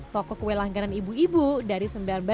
toko kue langganan ibu ibu dari seribu sembilan ratus sembilan puluh